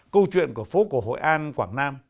câu chuyện của phố cổ hội an quảng nam